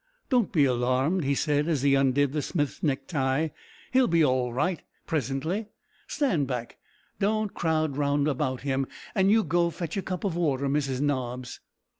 "Don't be alarmed," he said, as he undid the smith's necktie; "he'll be all right presently. Stand back, don't crowd round him; and you go fetch a cup of water, Mrs Nobbs."